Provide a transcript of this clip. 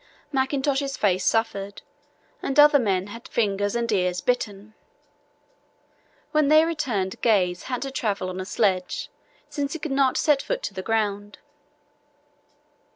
Mackintosh's face suffered, and other men had fingers and ears "bitten." When they returned Gaze had to travel on a sledge, since he could not set foot to the ground.